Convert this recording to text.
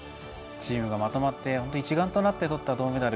チームがまとまって本当に一丸となってとった銅メダル。